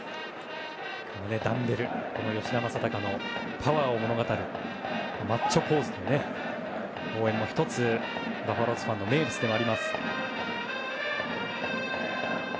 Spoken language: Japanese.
ダンベル吉田正尚のパワーを物語るマッチョポーズでの応援もバファローズファンの名物です。